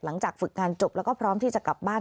หลังจากฝึกงานจบแล้วก็พร้อมที่จะกลับบ้าน